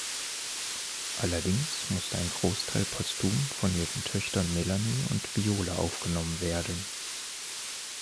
Allerdings musste ein Großteil postum von ihren Töchtern Melanie und Viola aufgenommen werden.